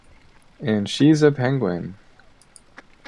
And she's a penguin!